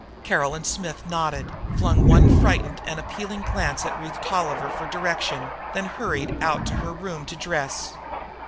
Caroline Smith nodded, flung one frightened and appealing glance to Ruth Tolliver for direction, then hurried out to her room to dress.